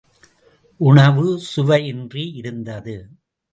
உணவு சுவையின்றி இருந்தது.